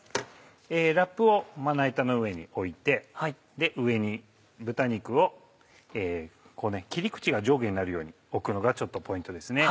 ラップをまな板の上に置いて上に豚肉を切り口が上下になるように置くのがちょっとポイントですね。